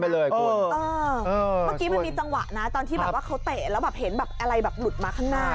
เมื่อกี้มันมีจังหวะนะตอนที่แบบว่าเขาเตะแล้วแบบเห็นแบบอะไรแบบหลุดมาข้างหน้า